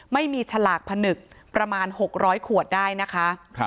ฉลากผนึกประมาณ๖๐๐ขวดได้นะคะ